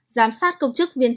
giám sát công chức viên chức